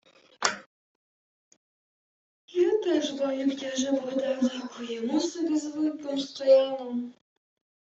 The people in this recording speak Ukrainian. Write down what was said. — Я теж маю, княже Богдане. Куємо собі з вуйком Стояном.